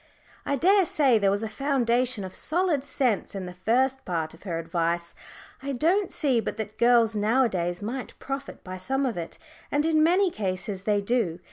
I daresay there was a foundation of solid sense in the first part of her advice. I don't see but that girls nowadays might profit by some of it. And in many cases they do.